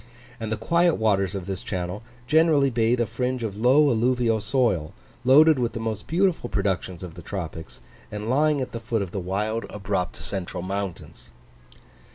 And the quiet waters of this channel generally bathe a fringe of low alluvial soil, loaded with the most beautiful productions of the tropics, and lying at the foot of the wild, abrupt, central mountains.